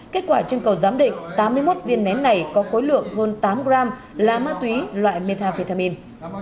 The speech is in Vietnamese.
kết quả trưng cầu giám định tám mươi một viên nén này có khối lượng hơn tám gram là ma túy loại metafetamin